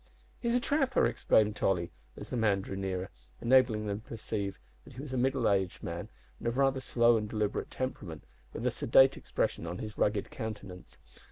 "He's a trapper," exclaimed Tolly, as the man drew nearer, enabling them to perceive that he was middle aged and of rather slow and deliberate temperament with a sedate expression on his rugged countenance.